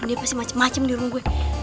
dia pasti macem macem di rumah gue